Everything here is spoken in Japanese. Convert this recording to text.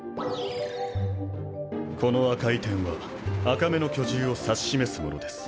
この赤い点は赤目の巨獣を指し示すものです。